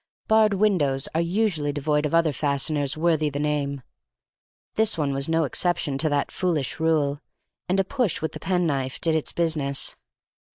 Barred windows are usually devoid of other fasteners worthy the name; this one was no exception to that foolish rule, and a push with the pen knife did its business.